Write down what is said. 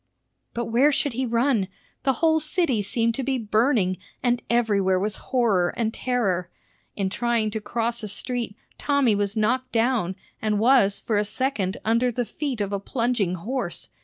But where should he run? The whole city seemed to be burning, and everywhere was horror and terror. In trying to cross a street, Tommy was knocked down, and was for a second under the feet of a plunging horse.